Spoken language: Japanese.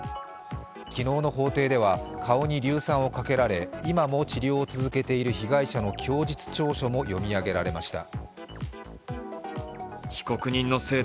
昨日の法廷では、顔に硫酸をかけられ今も治療を続けている被害者の供述調書も読み上げられました。